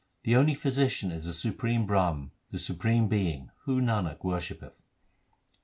The only physician is the supreme Brahm, the supreme Being, whom Nanak worshippeth.